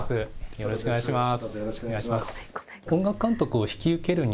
よろしくお願いします。